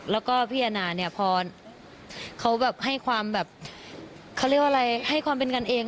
แล้วก็พิจารณาเนี่ยพอเขาแบบให้ความแบบเขาเรียกว่าอะไรให้ความเป็นกันเอง